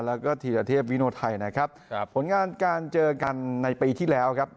แล้วก็ธีรเทพวิโนไทยนะครับครับผลงานการเจอกันในปีที่แล้วครับ